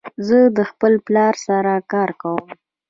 زه د خپل پلار سره کار کوم.